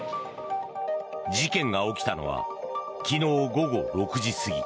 事件が起きたのは昨日午後６時過ぎ。